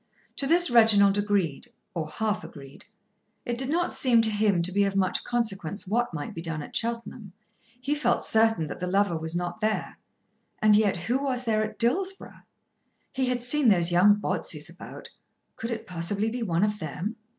To this Reginald agreed, or half agreed. It did not seem to him to be of much consequence what might be done at Cheltenham. He felt certain that the lover was not there. And yet who was there at Dillsborough? He had seen those young Botseys about. Could it possibly be one of them?